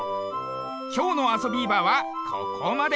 きょうの「あそビーバー」はここまで。